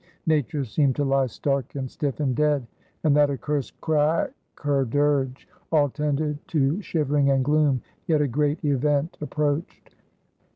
Nature seemed to lie stark and stiff and dead, and that accursed craake her dirge. All tended to shivering and gloom. Yet a great event approached.